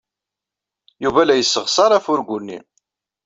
Yuba la yesseɣsar afurgu-nni.